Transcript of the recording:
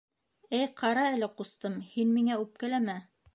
— Эй, ҡара әле, ҡустым, һин миңә үпкәләмә.